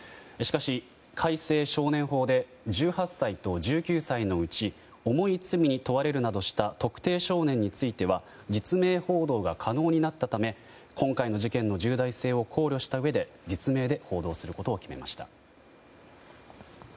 しかし、改正少年法で１８歳と１９歳のうち重い罪に問われるなどした特定少年については実名報道が可能になったため今回の事件の重大性を考慮したうえで実名で報道することを決めました。